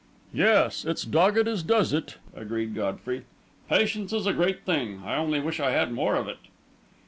"Yes 'it's dogged as does it,'" agreed Godfrey. "Patience is a great thing. I only wish I had more of it."